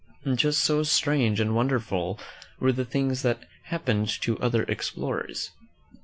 Just so strange and wonderful were the things that happened to the other explorers.